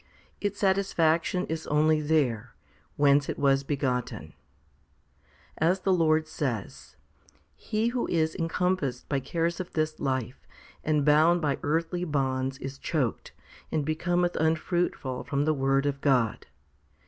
Its satisfaction is only there, whence it was begotten. As the Lord says, he who is encompassed by cares of this life and bound by earthly bonds is choked, and becometh unfruitful from the Word of God.